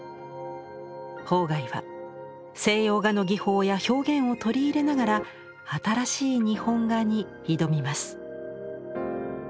芳崖は西洋画の技法や表現を取り入れながら新しい日本画に挑みます。